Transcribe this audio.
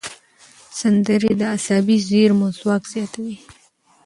سندرې د عصبي زېرمو ځواک زیاتوي.